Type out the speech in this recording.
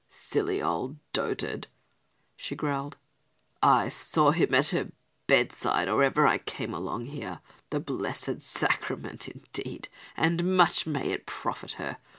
"Silly old dotard," she growled; "I saw him at her bedside or ever I came along here. The blessed sacrament indeed; and much may it profit her!